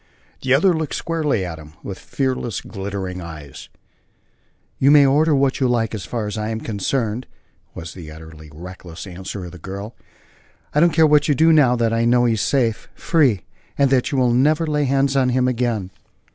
The other looked squarely at him, with fearless, glittering eyes: "You may order what you like so far as I'm concerned," was the utterly reckless answer of the girl. "I don't care what you do now that I know he is safe free and that you will never lay hands on him again."